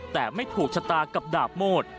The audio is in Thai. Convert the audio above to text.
แต่ไม่ถูกชะตากับดาบโมด